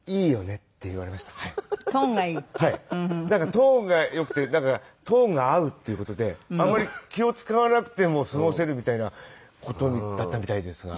トーンがよくてトーンが合うっていう事であんまり気を使わなくても過ごせるみたいな事だったみたいですが。